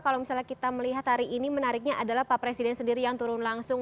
kalau misalnya kita melihat hari ini menariknya adalah pak presiden sendiri yang turun langsung